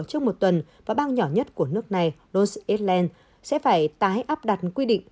trước một tuần và bang nhỏ nhất của nước này los angeles sẽ phải tái áp đặt quy định